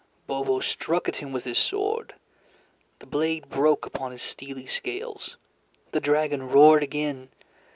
Bobo struck at him with his sword. The blade broke upon his steely scales. The dragon roared again.